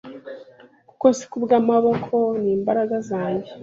kuko si kubwo amaboko n’imbaraga zanjye